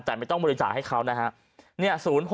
แต่ไม่ต้องบริจาคให้เขานะฮะ๐๖๓๒๒๙๐๕๒๘